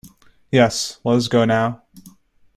Yes, let us go now.